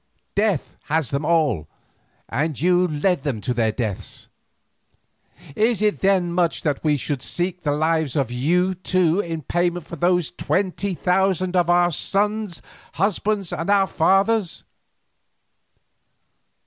Death has them all, and you led them to their deaths. Is it then much that we should seek the lives of you two in payment for those of twenty thousand of our sons, our husbands, and our fathers?